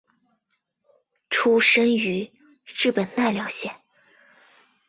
出身于日本奈良县。